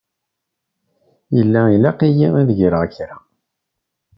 Yella ilaq-iyi ad geɣ kra.